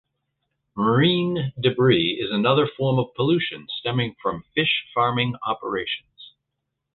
Marine debris is another form of pollution stemming from fish farming operations.